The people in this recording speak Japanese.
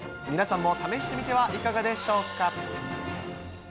皆さんも試してみてはいかがでしょうか。